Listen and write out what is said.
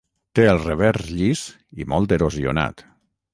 Té el revers llis i molt erosionat.